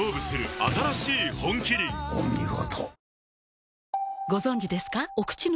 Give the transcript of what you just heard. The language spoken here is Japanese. お見事。